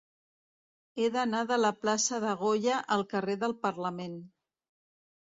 He d'anar de la plaça de Goya al carrer del Parlament.